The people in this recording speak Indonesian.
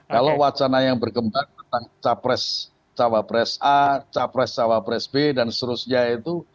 kalau wacana yang berkembang tentang capres cawapres a capres cawapres b dan seterusnya itu